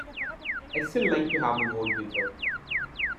I'd still like to have a word with her.